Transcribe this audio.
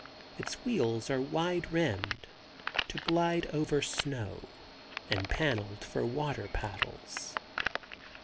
Its wheels are wide rimmed, to glide over snow, and paneled for water paddles.